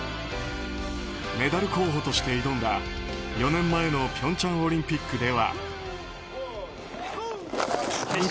メダル候補として挑んだ４年前の平昌オリンピックでは。